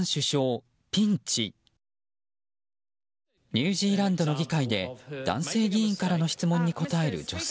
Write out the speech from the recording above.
ニュージーランドの議会で男性議員からの質問に答える女性。